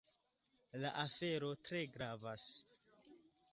La afero tre gravas.